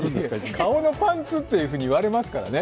「顔のパンツ」と言われますからね。